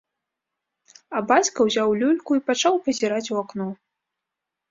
А бацька ўзяў люльку і пачаў пазіраць у акно.